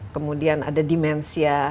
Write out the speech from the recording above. kemudian ada demensia